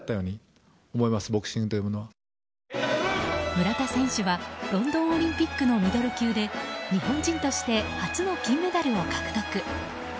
村田選手はロンドンオリンピックのミドル級で日本人として初の金メダルを獲得。